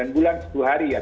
sembilan bulan sepuluh hari